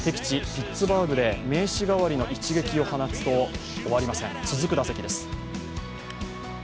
ピッツバーグで名刺代わりの一撃を放つと終わりません、続く打席です。